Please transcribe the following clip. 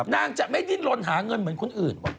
นางจะไม่ดิ้นลนหาเงินเหมือนคนอื่นว่ะ